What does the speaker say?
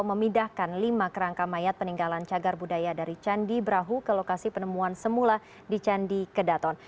memindahkan lima kerangka mayat peninggalan cagar budaya dari candi brahu ke lokasi penemuan semula di candi kedaton